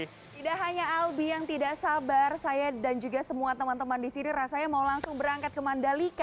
tidak hanya albi yang tidak sabar saya dan juga semua teman teman di sini rasanya mau langsung berangkat ke mandalika